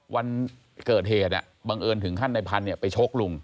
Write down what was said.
วันเกิดเหตุบังเอิญถึงขั้นในพันธุ์ไปชกลุง